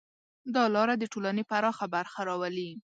دا لاره د ټولنې پراخه برخه راولي.